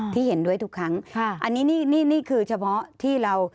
ที่เห็นด้วยทุกครั้งอันนี้นี่คือเฉพาะที่เรา